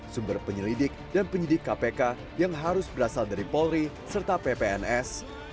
sumber penyelidik dan penyidik kpk yang harus berasal dari polri serta ppns